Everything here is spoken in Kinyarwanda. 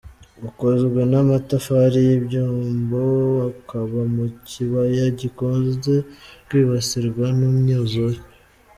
Ukozwe n’ amatafari y’ ibyombo, ukaba mu kibaya gikunze kwibasirwa n’ imyuzure.